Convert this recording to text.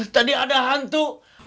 eh tadi ada hantu